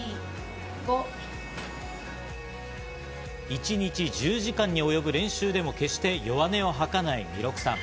一日１０時間に及ぶ練習でも決して弱音を吐かない弥勒さん。